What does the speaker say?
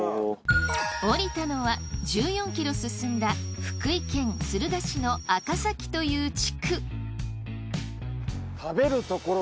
降りたのは１４ｋｍ進んだ福井県敦賀市の赤崎という地区。